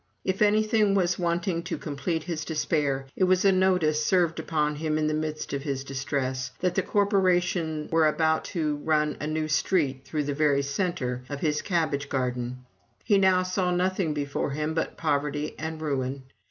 If anything was wanting to complete his despair, it was a notice served upon him in the midst of his distress, that the corporation were about to run a new street through the very centre of his cabbage garden. He now saw nothing before him but poverty and ruin.